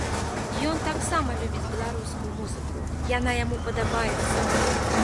Ён таксама любіць беларускую музыку, яна яму падабаецца.